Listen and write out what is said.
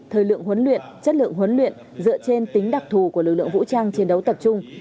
thời lượng huấn luyện chất lượng huấn luyện dựa trên tính đặc thù của lực lượng vũ trang chiến đấu tập trung